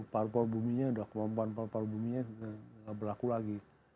paru paru bumi nya sudah kemampuan paru paru bumi nya sudah tidak berlaku lagi